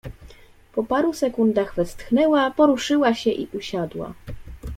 "Po paru sekundach westchnęła, poruszyła się i usiadła."